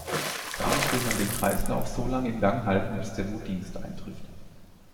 Damit will man den Kreislauf solange in Gang halten, bis der Notdienst eintrifft.